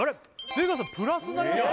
出川さんプラスになりました